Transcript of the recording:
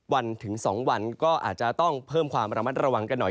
วันถึง๒วันก็อาจจะต้องเพิ่มความระมัดระวังกันหน่อย